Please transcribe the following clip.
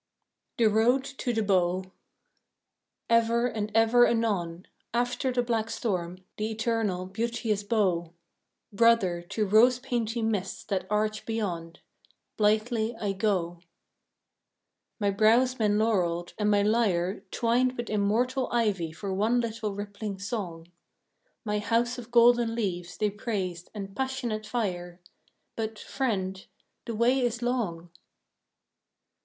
THE ROAD TO THE BOW Ever and ever anon, After the black storm, the eternal, beauteous bow! Brother, to rosy painted mists that arch beyond, Blithely I go. My brows men laureled and my lyre Twined with immortal ivy for one little rippling song; My "House of Golden Leaves" they praised and "passionate fire" But, Friend, the way is long!